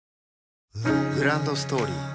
グランドストーリー